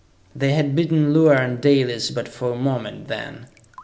They had beaten Luar and Dalis but for a moment, then!